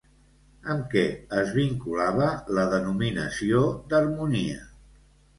Amb què es vinculava la denominació d'Harmonia?